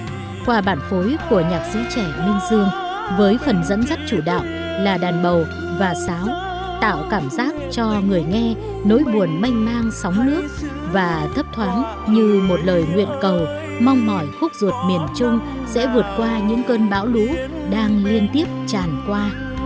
trong thời của nhạc sĩ trẻ minh dương với phần dẫn dắt chủ đạo là đàn bầu và sáo tạo cảm giác cho người nghe nỗi buồn manh mang sóng nước và thấp thoáng như một lời nguyện cầu mong mỏi khúc ruột miền trung sẽ vượt qua những cơn bão lũ đang liên tiếp tràn qua